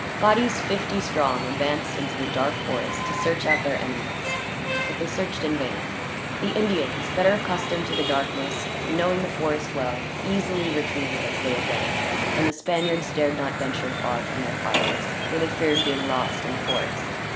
Bodies, fifty strong, advanced into the dark forest to search out their enemies; but they searched in vain. The Indians, better accustomed to the darkness, and knowing the forest well, easily retreated as they advanced; and the Spaniards dared not venture far from their fires, for they feared being lost in the forest.